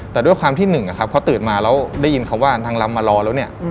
แต่ด้วยความที่หนึ่งอะครับเขาตื่นมาแล้วได้ยินคำว่านางลำมารอแล้วเนี่ย